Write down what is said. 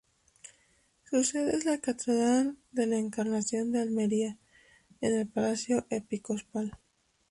Su sede es la Catedral de la Encarnación de Almería y el Palacio Episcopal.